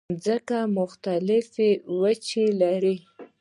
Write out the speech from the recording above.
مځکه مختلفې وچې لري.